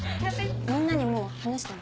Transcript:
みんなにもう話したの？